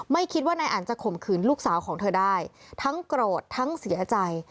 ไม่คิดว่านายอันจะข่มขืนลูกสาวของเธอได้ทั้งโกรธทั้งเสียใจ